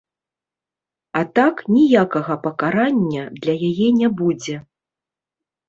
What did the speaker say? А так ніякага пакарання для яе не будзе.